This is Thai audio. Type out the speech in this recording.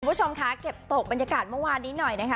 คุณผู้ชมคะเก็บตกบรรยากาศเมื่อวานนี้หน่อยนะคะ